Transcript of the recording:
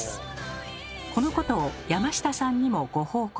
このことを山下さんにもご報告。